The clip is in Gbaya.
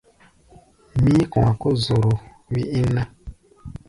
Mí̧í̧-kɔ̧a̧ kó zoro wí íŋ ná.